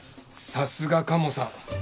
さすがカモさん。